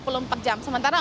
sementara untuk hal lain